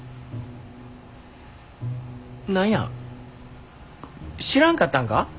何や知らんかったんか？